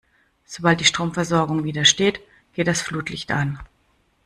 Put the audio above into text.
Sobald die Stromversorgung wieder steht, geht das Flutlicht an.